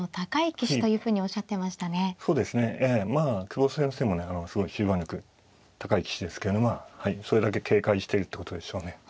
久保先生もねすごい終盤力高い棋士ですけどまあそれだけ警戒しているってことでしょうね。